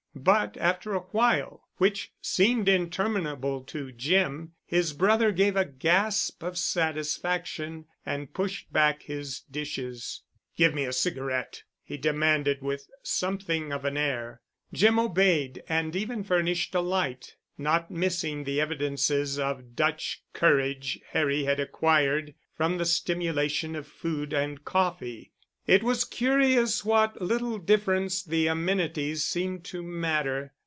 But after a while, which seemed interminable to Jim, his brother gave a gasp of satisfaction, and pushed back his dishes. "Give me a cigarette," he demanded with something of an air. Jim obeyed and even furnished a light, not missing the evidences of Dutch courage Harry had acquired from the stimulation of food and coffee. It was curious what little difference the amenities seemed to matter.